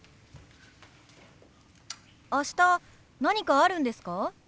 明日何かあるんですか？